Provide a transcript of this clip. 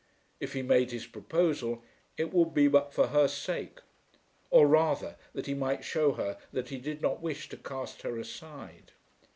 If he made his proposal, it would be but for her sake; or rather that he might show her that he did not wish to cast her aside.